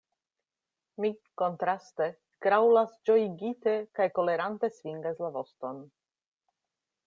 Mi, kontraste, graŭlas ĝojigite kaj kolerante svingas la voston.